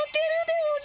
おじゃ。